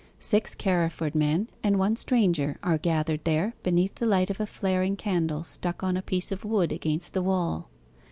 Six Carriford men and one stranger are gathered there, beneath the light of a flaring candle stuck on a piece of wood against the wall.